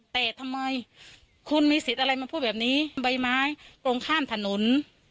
แต่ทำไมคุณมีสิทธิ์อะไรมาพูดแบบนี้ใบไม้ตรงข้ามถนน